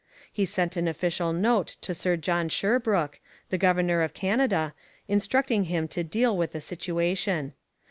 He sent an official note to Sir John Sherbrooke, the governor of Canada, instructing him to deal with the situation.